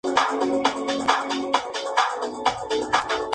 A continuación se encuentra un cladograma siguiendo el análisis de Reisz "et al.